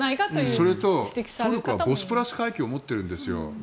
それとトルコはボスポラス海峡を持っているんです。